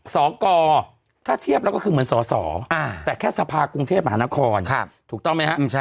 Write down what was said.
สกถ้าเทียบแล้วก็คือเหมือนสสแต่แค่สภากรุงเทพมหานครถูกต้องไหมฮะ